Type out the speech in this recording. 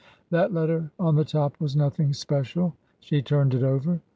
265 That letter on the top was nothing special; she turned it over.